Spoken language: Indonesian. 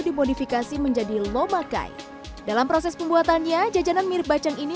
dimodifikasi menjadi lomakai dalam proses pembuatannya jajanan mirip bacang ini